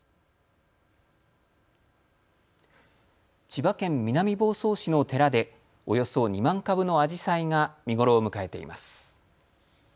千葉県南房総市の寺で、およそ２万株のアジサイが見頃を迎えています。